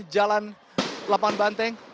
jalan lapan banteng